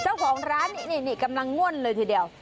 เจ้าของร้านนี่กำลังง่วนเลยทีเดียว